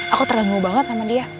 aku terlalu ngu banget sama dia